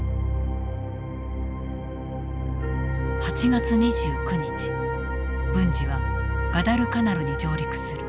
８月２９日文次はガダルカナルに上陸する。